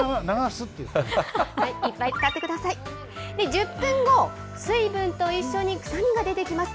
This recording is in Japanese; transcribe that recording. １０分後、水分と一緒に臭みが出てきます。